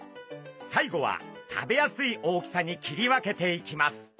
最後は食べやすい大きさに切り分けていきます。